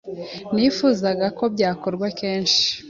Nifuzaga ko byakorwa kenshi.